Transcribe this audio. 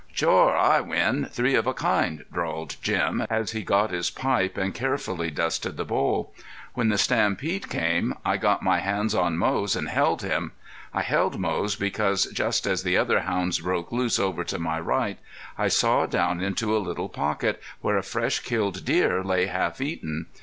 "Shore, I win, three of a kind," drawled Jim, as he got his pipe and carefully dusted the bowl. "When the stampede came, I got my hands on Moze and held him. I held Moze because just as the other hounds broke loose over to my right, I saw down into a little pocket where a fresh killed deer lay half eaten.